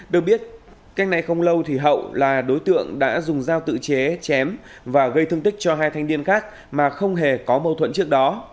được biết cách này không lâu thì hậu là đối tượng đã dùng dao tự chế chém và gây thương tích cho hai thanh niên khác mà không hề có mâu thuẫn trước đó